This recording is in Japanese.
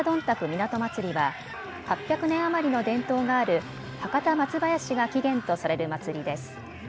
港まつりは８００年余りの伝統がある博多松ばやしが起源とされる祭りです。